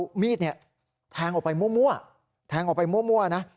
เอามีดเนี่ยแทงออกไปมั่วแทงออกไปมั่วนะ